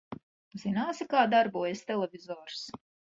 Zināsi, kā darbojas televizors?